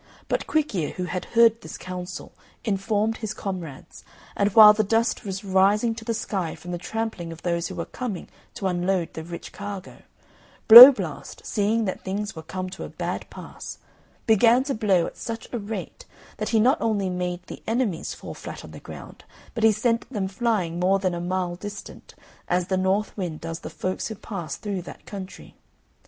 But Quick ear, who had heard this counsel, informed his comrades; and while the dust was rising to the sky from the trampling of those who were coming to unload the rich cargo, Blow blast, seeing that things were come to a bad pass, began to blow at such a rate that he not only made the enemies fall flat on the ground, but he sent them flying more than a mile distant, as the north wind does the folks who pass through that country.